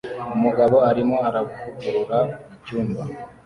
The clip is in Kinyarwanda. Umugabo arimo aravugurura icyumba